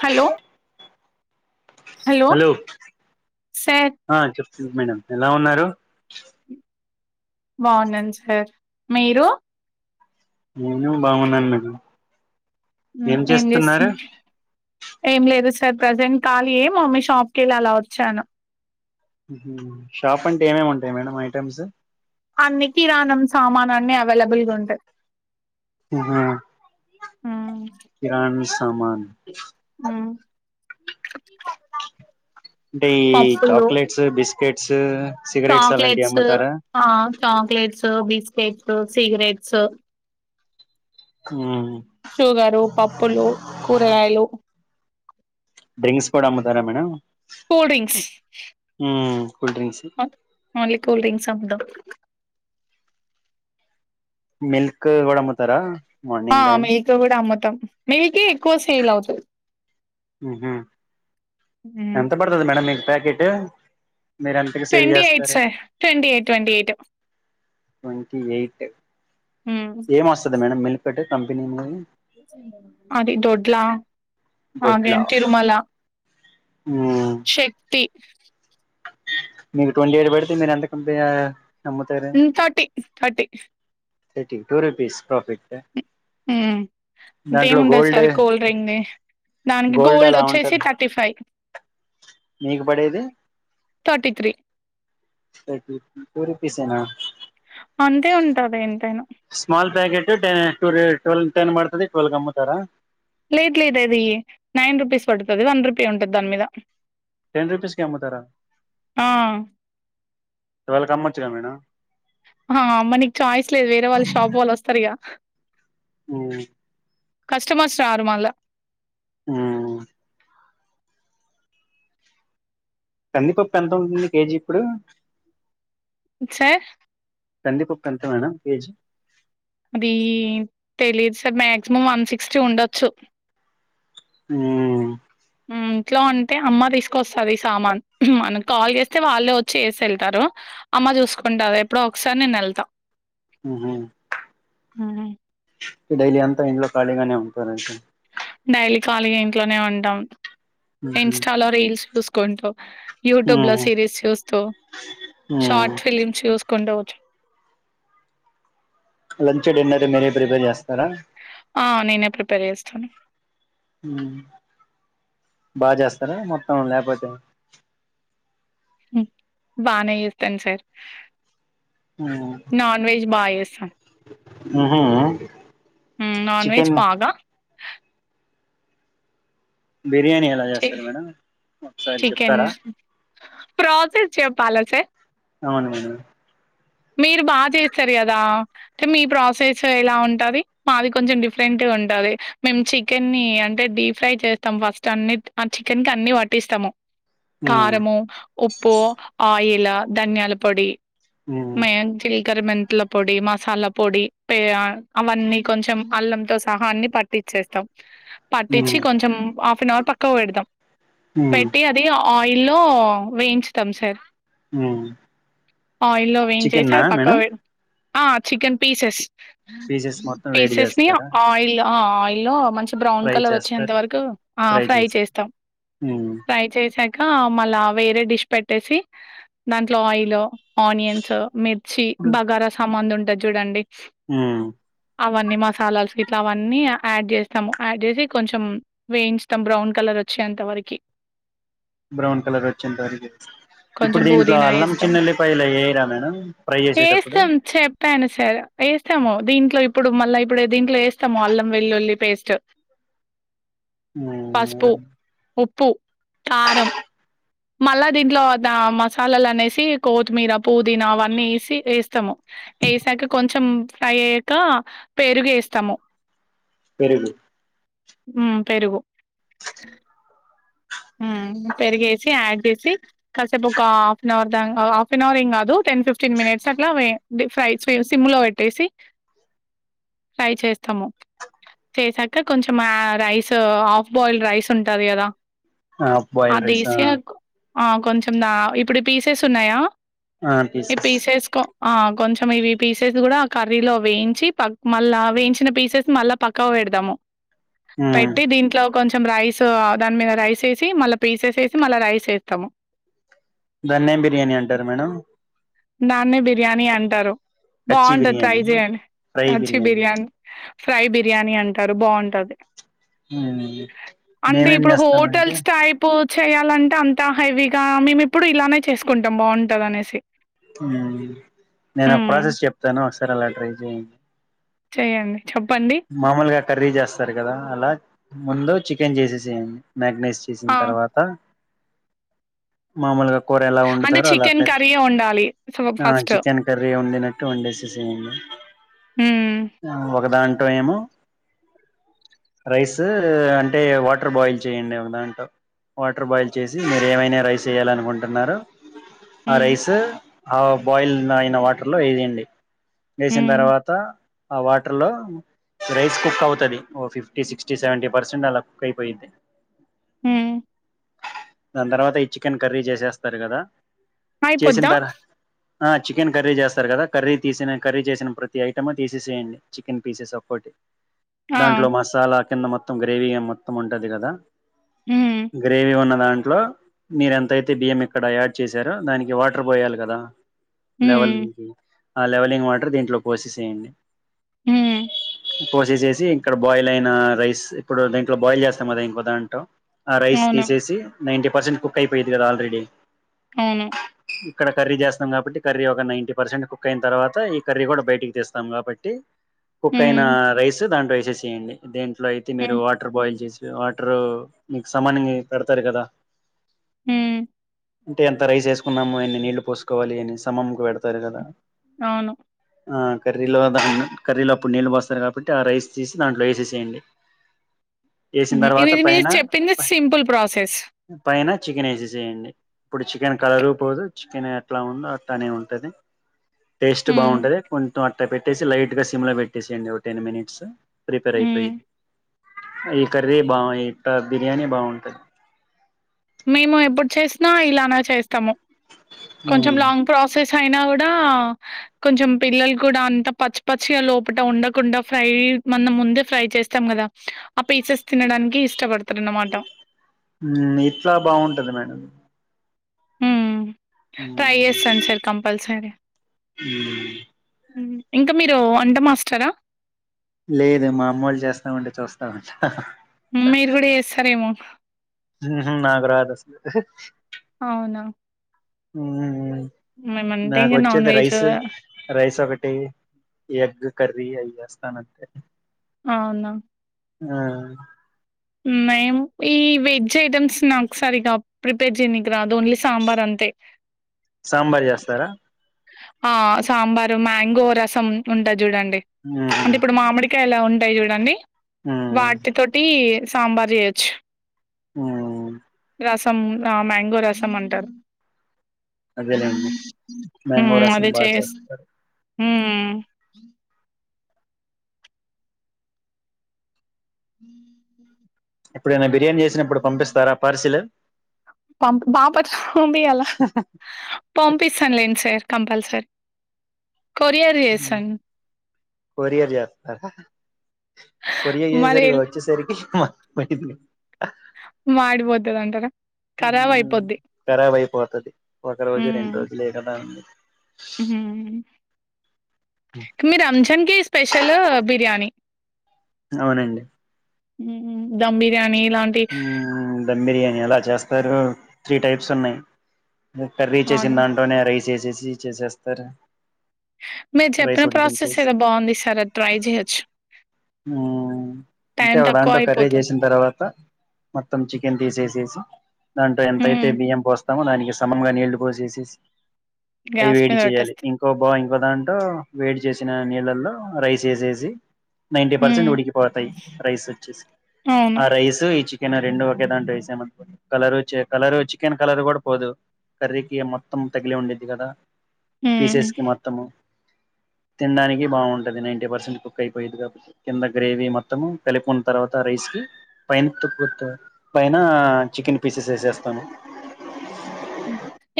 Hello hello sir [unintelligible] madam ఎలా ఉన్నారు బావున్నాన్ సార్ మీరు నేను బావున్నాను మేడం ఏం చేస్తం ఏం లేదు ర్ ప్రజెంట్ ఖాలి ఏ మమ్మీ షాప్కెళ్ళి అలా వచ్చాను ఊహూ షాప్ అంటే ఏమేమి ఉంటాయి మేడం ఐటెమ్స్ అన్ని కిరానం సామాన్ అన్నీ అవైలబుల్ గా ఉంటాయి అహీ హ్మ్ కిరాణం సామాన్ హ్మ్ అంటే ఈ పప్పులు చాక్లెట్స్ బిస్కెట్స్ సిగరెట్స్ అలాంటివి అమ్ముతారా ట్లు బిస్కెట్స్ సిగరెట్స్ షుగరు పప్పులు కూరగాయలు డ్రింక్స్ కూడా అమ్ముతారా madam cool drinks cool drinks bit only cool drink సండ మిల్క్ కూడా అమ్ముతారా ఆ మార్నింగ్ టైమ్ మిల్క్ కూడా అమ్ము [unintelligible] మిల్కే ఎక్కువ సేల్ అవుతది ఉహు ఎంత పడుతది మేడం మీక్ ప్యాకెట్ మీరు ఎంతకి సేల్ ట్వంటీ ఎయిట్ చేస్తారు sir twenty eight twenty eight twenty eight హ్మ్ ఏమొస్తది మేడం మిల్ ఒక్కటే కంపెనీది మరి అది దొడ్లా అవేం తిరుమల ఆ శక్తి మీకు ట్వంటీ ఎయిట్ పడితే మీరు ఎంతకీ [unintelligible] thirty thirty thirty two rupees profit కా ఆ అంతేముండదు సార్ కూల్ డ్రింక్ధీ దానికి గోల్డ్ అలా ఒచ్చేసి ఉంటది థర్టీ ఫైవ్ మీకు పడేది థర్టీ త్రీ టూ రూపీస్ ఏ నా అంతే ఉంటది ఎంతైనా స్మాల్ ప్యాకెట టెన్ టే ట్వెల్వ్ టెన్ పడుతది ట్వెల్వ్ కీ అమ్ముతారా లేద్ లేదు అదీ నైన్ రూపీస్ పడుతది వన్ రూపీ ఉంటది దాని మీద టెన్ రూపీస్ కి అమ్ముతారా ఆ ట్వెల్వ్ కీ అమ్మొచ్చు కదా మేడం ఆ అమ్మ నీకి ఛాయిస్ లేదు వేరే వాళ్ళ షాప్ వాళ్ళు వస్తారు ఇగ ఊ కస్టమర్స్ రారు మళ్ళ హ్మ కందిపప్పు ఎంత ఉంటుంది కేజీ ఇప్పుడూ సర్ కందిపప్పు ఎంత మేడం కేజీ అదీ తెలీదు సర్ మాక్సిమం వన్ సిక్స్టీ ఉండొచ్చు ఊ హ్మ్ ఇంట్లో ఉంటే అమ్మ తీసుకొస్తది సామాన్, మనం కాల్ చేస్తే వాళ్ళే వచ్చి ఏసి వెళ్తారు అమ్మ చూసుకుంటారు, ఎప్పుడో ఒకసారి నేను ఎళ్తా హ్మ హు మ్ డైలీ అంతా ఇంట్లో ఖాళీ గానే ఉంటార ఐతే డైలీ ఖాళీ గా ఇంట్లోనే ఉంటాం మ్హూ ఇన్స్టాలో రీల్స్స్ చూస్ కుంటు యూట్యూబ్ లో మ్మ్ సిరీస్ చూస్తూ మ్మ్ షార్ట్ ఫిలిమ్స్ చూస్ కుండవచ్చు లంచ్ డిన్నర్ మీరే ప్రిపేర్ చేస్ ఆ నేనే ప్రిపేర్ ట చేస్తాను మ్ బాగ చేస్తారా మొత్తం లేకపోతే బానే చేస్తాను సార్ నాన్ వెజ్ బాగ చే స మ్ హు మ్ నాన్ వెెజ్ పాగా బిర్యానీ ఎలా చి చేస్తారు మేడం ఒకసారి చికెన్ చెప్తారా ప్రాసెస్ చెప్పాల సార్ అవును మేడం మీరు బాగా చేస్తారు కదా, అంటే మీ ప్రాసెస్ ఎలా ఉంటుంది, మాది కొంచెం డిఫరెంట్గా ఉంటుంది మేము చికెన్ని అంటే డీప్ ఫ్రై చేస్తాము, ఫస్ట్ అన్ని ఆ చికెన్కి అన్ని పట్టిస్తాము. ఉమ్ కారమో ఉప్పు ఆయ లా ధన్యాల పొడి ఉమ్ మయంజలి కరిమెతుల పొడి, మసాలా పొడి, ప అవన్నీ కొంచెం అల్లంతో సహా అన్ని పట్టించేస్తాం ఉమ్ పటిచ్చి కొంచెం హఫ్ అన్ అవర్ పక్కకి పెడుతం ఉమ్ పెట్టి అది పైల్లో వేయించుతాం సార్ మ్ చేసా అది పక్క పె ఆ చికెన్ పీసెస్ పీసెస్ మొత్తం వేడి పీసెస్ని చేస్తారా ఆయిల్ ఆ ఆయిల్ లో మంచి బ్రౌన్ ఫ్రై కలర్ వచ్చ చేస్తారు వరకు ఫ్రై చేస్తాం ఉమ్ ఫై చే ఇకా మళ్ళా వేరే డిష్ పెట్టేసి దాంట్లో ఆయిల్ ఆనియ స్ మి చ్చి బగారా సామాం ఉ క్కడ్ చూడండి మ్మ్ అవన్నీ మసాలాస్ గిట్లావన్నీ యాడ్ చేస్తాము యాడ్ చేసి కొంచెం వేయించుతాం బ్రౌన్ కలర్ వచ్చేంతవరకు బ్రౌన్ కలర్ వచ్చేంతవరకే ఇప్పుడు కొంచెం దీంట్లో పుదీనా అల్లం వేస్తాం చిన్నఎల్లి పాయలు అయి ఎయ్యర వేస్తాం చెప్పాను సరే వేస్తాము దీంట్లో ఇప్ ఇప్పుడు మళ్ళా ఇప్పుడే దీంట్లో వేస్తాము అల్లం వెల్లుల్లి పేస్ట్ మ్మ్ [unintelligible] ప్పు కారం మళ్ళా దీంట్లో దా మసాలాలు అనేసి కోతిమీర పుదీనా అవన్నీ వేసి వేస్తాము వసాక కొంచెం ఫ్రై అయ్యాక పేరుగ వేస్తాము పెరుగు ఉ పెరుగు హ పెరిగేసి యాడ్ చేసి కాసేపు ఒక హాఫ్ అన్ అవర్ దా హాఫ్ అన్ అవర్ ఏం కాదు టెన్ ఫిఫ్టీన్ మినిట్స్ అట్లా ఫ్రై సిమ్లో పెట్టేసి ఫ్రై చేస్తాము చేసాక కొంచెం రైస్ హాఫ్ బాయిల్డ్ రైస్ ఉంటుంది కదా ఆ బయిల్ రైస్ అదేసి ఆ కొంచెం దా ఇప్పుడు పీసెస్ ఉన్నాయా ఆ ఈ తీసెస్ పీసెస్ కొ ఆ కొంచెం ఇవి పీసెస్ కూడా కర్రీలో వేయించి ప మళ్ళా వేయించిన పీసెస్ మళ్ళా పక్కవ పెడదాము ఉమ్ పెట్టి దీంట్లో కొంచెం రైస్ దాని మీద రైస్ మ మస్తా ధన్యాయం బిర్యానీ అంటారు మేడం దన్నే బిర్యానీ అంటారు కచ్చి బాగుంటది ట్రై బిర్యానీ చేయడి కాచి బిర్యానీ ఫ్రై బిర్యానీ అంటారు బాగుంటుంది మేమేం ఇప్పుడు చేస్తామంటే హోటల్స్ టైపు చేయాలంటే అంత హెవీగా మేము ఇప్పుడు ఇలానే చేసుకుంటాం బాగుంటుంది అనేసి నేను ఆ ప్రాసెస్ చెప్తాను తరాల ట్రై చేయండి చెయడి మామూలుగా కర్రీ చేస్తారు కదా అలా ముందు చికెన్ చేసే జం మ్యాగ్నైజ్ చేసిన ఆ! తర్వాత మామలుగా కూర ఎలా అంటే వడుతారో అలా చికెన్ కర్రీయే వండాలి సో ఆ ఫస్ట్. చికెన్ కర్రీ వండినట్టు వండేసయండి హ్మ్ ఒకదా ఏమో రైస్ అంటే వాటర్ బాయిల్ చేయండి ఒకదాంట వాటర్ బాయిల్ చేసి మీరు ఏమైనా రైస్ వయ్యాల అనుకుంటున్నారు ఆ హ్మ్ రైస్ బాయిల్ అయిన వాటర్ లో ఇదిడి వేసిన హ్మ్ తర్వాత ఆ వాటర్ లో రైస్ కుక్ అవుతుంది ఓ ఫిఫ్టీ సిక్స్టీ సెవెంటీ పర్సెంట్ అలా కుక్ అయిపోయింది హ దాని తర్వాత ఈ చికెన్ కర్రీ చేసేస్తారు కదా ఆ చేసిన అయిపోద్దా తర్ ఆ చికెన్ క్రీ చేస్తారు కదా కర్రీ తీసిన కర్రీ చేసిన ప్రతి ఐటమ్ తీసేసేయయండి చికెన్ పీసెస్ పోటీ ఆ! దాంట్లో మసాలా కింద మొత్తం గ్రేవీ మొత్తం ఉంటది కదా హ్మ్. గ్రేవి ఉన్నదా దంట్లో మీరు ఎంత అయితే బియ్యం ఇక్కడ యాడ్ చేసారో దానికి వాటర్ పోయాలి కదా లెవల్ హ్మ్. గి ఆ లెవెలింగ్ వాటర్ దీంట్లో పోసేసేయండి మ్మ్ పోసేసేసి ఇక్కడ బాయిల్ అయిన రైస్ ఇప్పుడు దీంట్లో బాయిల్ చేస్తాం కదా ఇంకో దాంట్లో ఆ రైస్ అవును. తీసేసి నైంటీ పర్సెంట్ కుక్ అయిపోయిద్ది కదా ఆల్రెడీ అవును ఇక్కడ కర్రీ చేస్తాం కాబట్టి కర్రీ ఒక నైన్టీ పర్సెంట్ కుక్ అయిన తర్వాత ఈ కర్రీ కూడా బయటికి తీస్తాం కాబట్టి కుక్ క్ అయినా హ్మ్. రైస్ దాంట్లో వేసేసేయండి దేన్ అట్ల్ అయితే మీరు హ్మ్. వాటర్ బాయిల్ చేసి ఆటరు మీకు సమానంగా పెడతారు కదా మ్మ్ అంటే ఎంత రైస్ వేసుకున్నాము అన్ని నీళ్ళలు పోసుకోవాలి అని సమమ్కు పెడతారు కదా అవును ఆ కర్రీలో దా కర్రీలో ఇప్పుడు నీళ్ళు పోస్తారు కాబట్టి ఆ రైస్ తీసి దాంట్లో వేసేసేయండి వేసిన తర్వాత ఇది మీరు పైన చెప్పింది సింపుల్ ప్రాసెస్ పైన చికెన్ వేసేసేయండి ఇప్పుడు చికెన్ కలరు పోదు చికెన్ అట్లా ఉందో అట్లానే ఉంటది టేస్ట్ హ్మ్. బాగుంటది కొంచ్ అట్టా పెట్టేసి లైట్గా సిమ్ లో పెట్ ట్ సేయండి ఓ టెన్ మినిట్స్ ప్రిపేర్ అయిపోయి హ్మ్. ఈ కర్రీ బా ఇట్ట బిర్యానీ బాగుంటది మేము ఎప్పుడు చేసినా ఇలానే చేస్ ము కొంచెం ఉమ్ లాంగ్ ప్రాసెస్ చైనా కూడా కొంచెం పిల్లలు కూడా అంత పచ్చి పచ్చిగా లోపల ఉండకుండా ఫ్రై మన ముందే ఫ్రై చేస్తాం కదా ఆ పీసెస్ తినడానికి ఇష్టపడతారు అన్నమాట అట్లా బాగుంటది మేడం హ్మ్. ఉమ్ ట్రై చేస్తాను సార్ కంపల్సరీ ఉమ్ ఇంకా మీరు వంట మాస్టారా లేదు మా అమ్మ వాళ్ళు చేస్తామంటే చూస్తాంట మీరు కూడా చేస్తారేమో ఆ హ్మ్ హు నాకు రాదు అస్సలు అవునా మ్మ్ హ్మ్ మేమంటే ఇంగ నాన్ నాకొచ్చేది వెజ్ రైస్ రైస్ ఒకటి ఎగ్ కర్రీ అయ్య స్తాను అంతే అవునా ఆ మేము ఈ వెజ్ ఐటమ్స్ నాకు సరిగా ప్రిపేర్ చేయనికి రాదు ఓన్లీ సాంబార్ అంతే సాంబార్ చేస్తారా ఆ సాంబారు మ్యాంగో రసం ఉన్ ఉంటది చూడండి టే ఉమ్ అంటే ఇప్పుడు మామిడి ఇంకా ఎలా ఉంటాయి చూడండి ఉమ్ వాటి తోటి సాంబార్ చేయొచ్చు ఆ రసం ఆ మ్యాంగో రసం అంటారు అదేలేండి మ్యాంగో రసం బాగా చేస్తార మ్మ్ ఎప్పుడైనా బిర్యాని చేసినప్పుడు పంపిస్తారా పార్సిల్ పంప్ బాపట్ల పంపియాల పంపిస్తానులేండి సార్ కంపల్సరి కొరియర్ చేస్తారా కొరియర్ అయ్యి మరి వచ్చే సరికి మాడిపోతదంటారా? ఖరాబ్ [unintelligible] అయిపోద్ది. కరాబ్ అయిపోతది ఒక రోజు రెండు రోజులే కదా ఉంది మ్మ్ హు మీ రంజాన్ కి స్పెషల్ బిర్యానీ అవునండి మ్మ్ దమ్ బిర్యానీ ఇలాంటి హ్మ్ ధమ్ బిర్యానీ అలా చేస్తా తరు త్రీ టైప్స్ ఉన్నాయి ము కర్రీ చేేసిన అవునా! దాంట్లోనే రైస్ వేసేసి జీ చేసేస్తారా మీరు రైస్ చెప్పిన ప్రాసెస్ ఉడికించేసి ఏదో బావుంది ఈసారి అది ట్రై చేయొచ్చు. మ్మ్ అంటే టైం ఒక తక్కువ దాంట్లో కర్రీ అయిపోతది. చేసిన తర్వాత మొత్తం చికెన్ తీసేసేసి దాంతో ఎంతయితే హ్మ్. బియ్యం పోస్తంది. దానికి సమంగా నీళ్లు పోసేసి అవి గ్యాస్ వేడి మీద చేయాలి పెట్టేస్తే. ఇంకో బాయ్ ఒక దాంట్లో వేడి చేసిన నీళ్ళల్లో రైస్ వేసేసి, నైన్టీ పర్సెంట్ హ్మ్. ఉడికిపోతాయి. రైస్ వచ్చేసి అవును. ఆ రైస్ చికెన్ రెండు ఒకేదాంటో వేసా మనుకో, కలరు కలరు చికెన్ కలర్ కూడా పోదు. కర్రీకి మొత్తం తగిలి ఉండేది కదా. హ్మ్. పీసెస్ హ్మ్. కి మొత్తము తినడానికి బాగుంటది. నైన్టీ పర్సెంట్ కుక్ అయిపోయది, కాబట్టి కింద గ్రేవీ మొత్తం కలుపుకున్న తర్వాత రైస్ కి పైన పైన చికెన్ పీసెస్ వేసేస్తాను.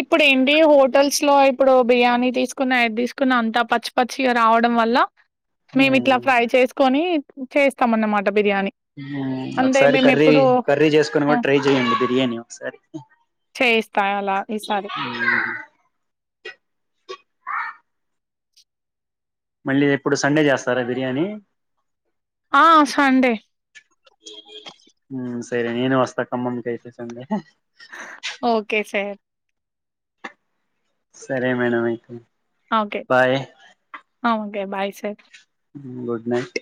ఇప్పుడు ఏంటి హోటల్స్ లో ఇప్పుడు బిర్యానీ తీసుకున్న ఏది తీసుకున్న అంతా పచ్చి పచ్చిగా రావడం వల్ల. మేము ఇట్లా ఫ్రై చేసుకోని చేస్తామన్నమాట బిర్యానీ. అంటే ఒకసారి కర్రీ మేమెప్పుడూ కర్రీ చేసుకున్న ఆ! వాల్లు ట్రై చేయండి బిర్యానీ ఒకసారి. కాగల ఈ సారి మళ్ళీ ఎప్పుడు సండే చేస్తారా బిర్యానీ. ఆ సండే సరే నేను వస్తా ఖమ్మం కి అయితే సండే ఓకే సార్ సరే మేడం అయితే okay bye okay okay bye sir good night